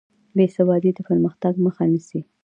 بېسوادي د پرمختګ مخه نیسي.